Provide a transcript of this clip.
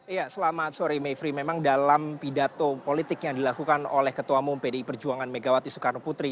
iya selamat sore mayfrey memang dalam pidato politik yang dilakukan oleh ketua umum pdi perjuangan megawati soekarno putri